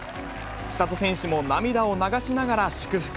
千怜選手も涙を流しながら祝福。